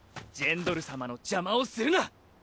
ジェンドル様の邪魔をするな！